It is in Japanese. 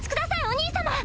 お兄様！